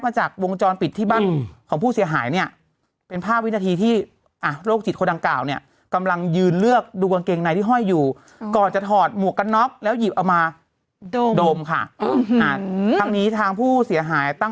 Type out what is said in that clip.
ว่าอาจจะเป็นการแบบต่อเขาเรียกว่าเหมือนครั้งนี้แหละก็บอกว่ามันเป็น